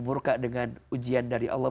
murka dengan ujian dari allah